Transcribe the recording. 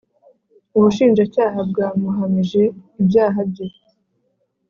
Ubushinjacyaha bwamuhamije ibyaha bye